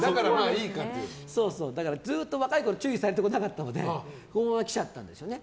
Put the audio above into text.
だから、ずっと若いころ注意されてこなかったのでこのまま来ちゃったんですよね。